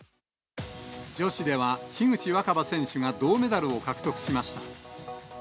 女子では、樋口新葉選手が銅メダルを獲得しました。